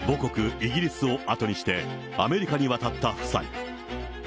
イギリスをあとにして、アメリカに渡った夫妻。